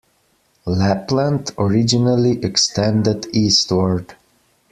Lappland originally extended eastward.